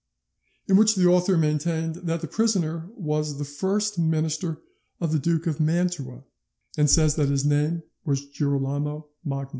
in which the author maintained that the prisoner was the first minister of the Duke of Mantua, and says his name was Girolamo Magni.